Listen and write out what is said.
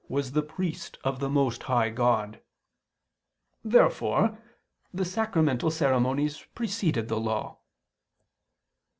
. was the priest of the most high God." Therefore the sacramental ceremonies preceded the Law.